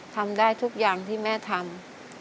ทำได้ทุกอย่างที่แม่ทำ